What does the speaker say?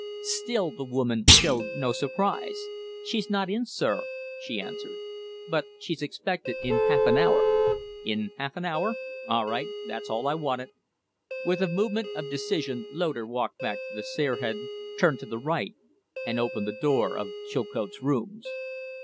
Still the woman showed no surprise. "She's not in sir," she answered. "But she's expected in half an hour." "In half an hour? All right! That's all I wanted." With a movement of decision Loder walked back to the stair head, turned to the right, and opened the door of Chilcote's rooms.